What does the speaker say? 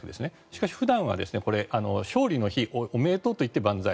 しかし、普段はこれ勝利の日おめでとうと言って万歳。